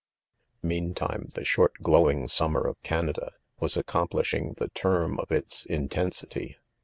'Meantime, the short glow jag summer of Canada, was accomplishing the term of its in tensity.